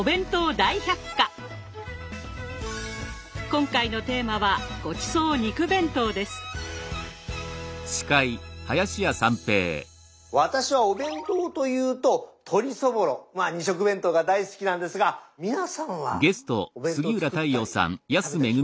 今回のテーマは私はお弁当というと鶏そぼろまあ２色弁当が大好きなんですが皆さんはお弁当作ったり食べたりしますよね？